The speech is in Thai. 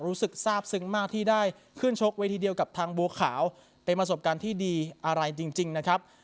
รู้สึกทราบซึ้งมากที่ได้ขึ้นชกเวทีเดียวกับทางบัวขาวเป็นประสบการณ์ที่ดีอะไรจริงนะครับ